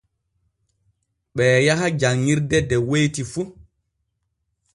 Ɓee yaha janŋirde de weyti fu.